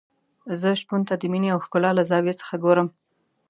زه شپون ته د مينې او ښکلا له زاویې څخه ګورم.